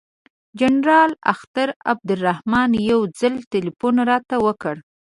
جنرال اختر عبدالرحمن یو ځل تلیفون راته وکړ.